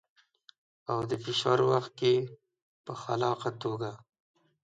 او د فشار وخت کې په خلاقه توګه.